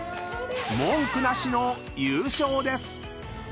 ［文句なしの優勝です！］